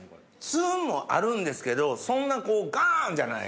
ツンもあるんですけどそんなガン！じゃない。